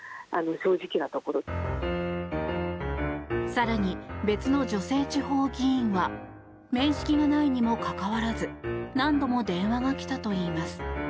更に、別の女性地方議員は面識がないにもかかわらず何度も電話が来たといいます。